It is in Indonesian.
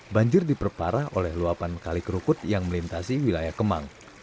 banjir diperparah oleh luapan kali kerukut yang melintasi wilayah kemang